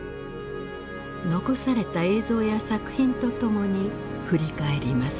残された映像や作品と共に振り返ります。